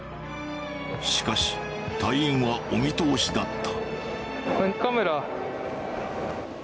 しかし隊員はお見通しだった。